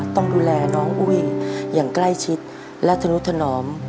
ต้องดูแลน้องอุ้ยอย่างใกล้ชิดและธนุถนอม